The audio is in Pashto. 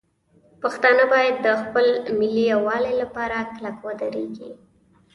پښتانه باید د خپل ملي یووالي لپاره کلک ودرېږي.